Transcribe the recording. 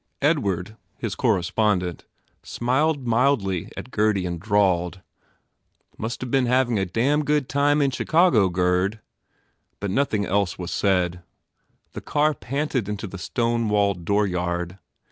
Edward, his correspondent, smiled sideways at Gurdy and drawled, "Must have been having a damn good time in Chicago, Gurd," but nothing GURDY else was said. The car panted into the stone walled dooryard.